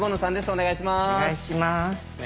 お願いします。